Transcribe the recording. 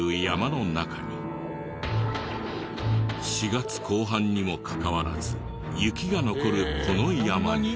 ４月後半にもかかわらず雪が残るこの山に。